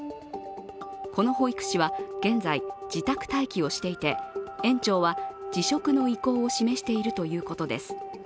この保育士は現在、自宅待機をしていて園長は辞職の意向を示しているということです。